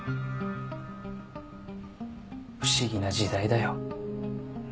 不思議な時代だよ。